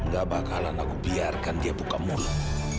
gak bakalan aku biarkan dia buka mulut